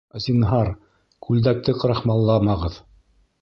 Зинһар, күлдәкте крахмалламағыҙ